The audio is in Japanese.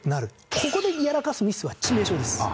ここでやらかすミスは致命傷です。